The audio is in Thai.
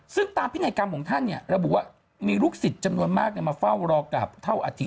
ซึ่งตามพินัยกรรมของท่านเนี่ยระบุว่ามีลูกศิษย์จำนวนมากมาเฝ้ารอกลับเท่าอาทิตย